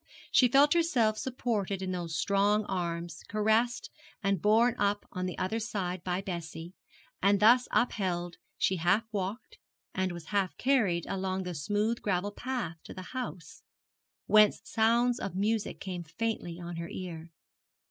She felt herself supported in those strong arms, caressed and borne up on the other side by Bessie, and thus upheld she half walked, and was half carried along the smooth gravel path to the house, whence sounds of music came faintly on her ear.